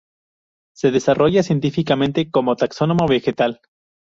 Se desarrolla científicamente como taxónomo vegetal.